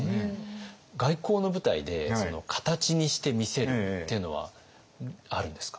外交の舞台で形にして見せるっていうのはあるんですか？